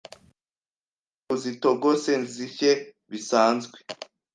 uzure. uzitogose zishye bisanzwe,